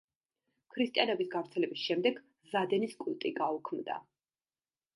ქრისტიანობის გავრცელების შემდეგ ზადენის კულტი გაუქმდა.